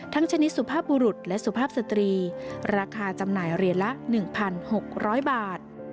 ชนิดสุภาพบุรุษและสุภาพสตรีราคาจำหน่ายเหรียญละ๑๖๐๐บาท